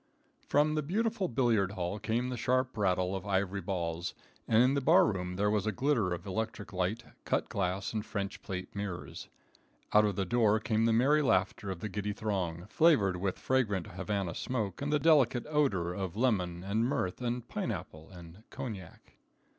From the beautiful billiard hall came the sharp rattle of ivory balls, and in the bar room there was a glitter of electric light, cut glass, and French plate mirrors. Out of the door came the merry laughter of the giddy throng, flavored with fragrant Havana smoke and the delicate odor of lemon and mirth and pine apple and cognac.